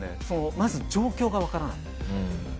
まず状況がわからない。